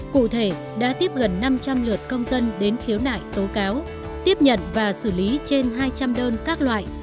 cụ thể đã tiếp gần năm trăm linh lượt công dân đến khiếu nại tố cáo tiếp nhận và xử lý trên hai trăm linh đơn các loại